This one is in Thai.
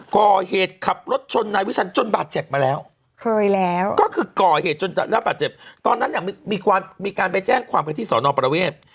ก่อเหตุขับรถชนนายวิชันจนบาดเจ็บมาแล้วเคยแล้วก็คือก่อเหตุจนได้รับบาดเจ็บตอนนั้นเนี่ยมีการไปแจ้งความกันที่สอนอประเวท